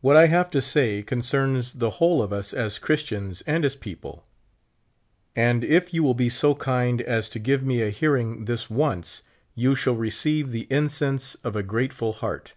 What I have to say concerns the whole of us as Chris tians and as people ; and il you will be so kind as to give me a hearing this once, you shall receive the incense of a grateful heart.